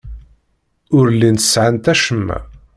Ur llint sɛant acemma.